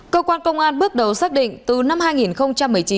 cơ quan công an bước đầu xác định từ năm hai nghìn một mươi chín